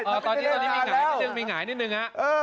ตอนนี้ตอนนี้มีหายตอนนี้มีหายนิดนึง